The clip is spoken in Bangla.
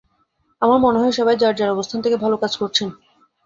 আমার মনে হয়, সবাই যার যার অবস্থান থেকে ভালো কাজ করছেন।